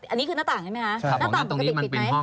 อันนี้คือหน้าต่างใช่ไหมคะ